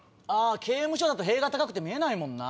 刑務所だと塀が高くて見えないもんな。